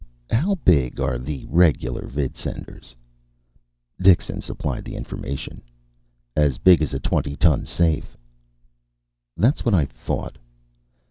"How big are the regular vidsenders?" Dixon supplied the information. "As big as a twenty ton safe." "That's what I thought."